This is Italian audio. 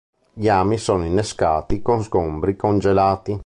Gli ami sono innescati con sgombri congelati.